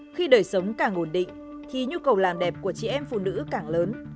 khi đời sống càng ổn định thì nhu cầu làm đẹp của chị em phụ nữ càng lớn